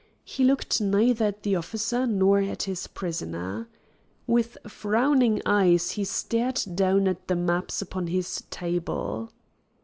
He looked neither at the officer nor at his prisoner. With frowning eyes he stared down at the maps upon his table.